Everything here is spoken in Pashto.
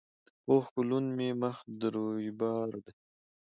په اوښکو لوند مي مخ د رویبار دی